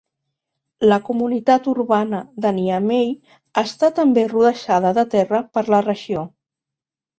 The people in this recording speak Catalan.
La comunitat urbana de Niamey està també rodejada de terra per la regió.